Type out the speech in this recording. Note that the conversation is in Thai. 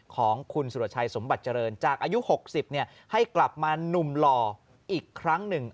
ของคุณสุรชัยสมบัติเจริญจากอายุ๖๐ให้กลับมาหนุ่มหล่ออีกครั้งหนึ่ง